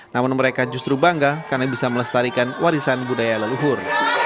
namun mereka justru bangga karena bisa melestarikan warisan budaya leluhur